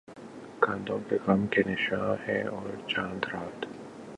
کاندھوں پہ غم کی شال ہے اور چاند رات ہ